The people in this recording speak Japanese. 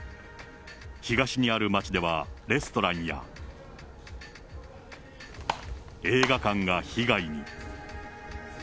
東にある町では、レストランや、映画館が被害に。